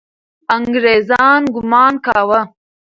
انګریزان ګمان کاوه.